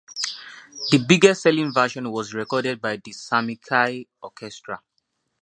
The biggest-selling version was recorded by the Sammy Kaye orchestra.